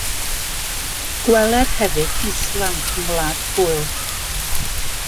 Gweler hefyd Islam yng Ngwlad Pwyl.